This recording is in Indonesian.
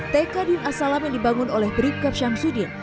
tk din asalam yang dibangun oleh bribkap syamsuddin